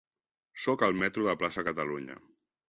Soc al metro de Plaça Catalunya.